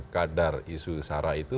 kadar isu sarah itu